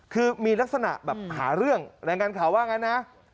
คือมีลักษณะแบบหาเรื่องแหล่งการข่าวว่าอย่างนั้นนะ